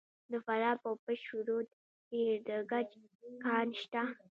د فراه په پشت رود کې د ګچ کان شته.